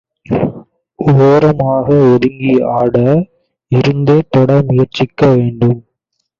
ஒரமாக ஒதுங்கி ஆட, இருந்தே தொட முயற்சிக்க வேண்டும்.